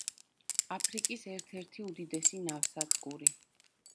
აფრიკის ერთ-ერთი უდიდესი ნავსადგური.